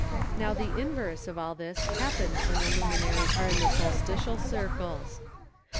Now the Inverse of all this happens when the Luminaries are in the Solstitial Circles.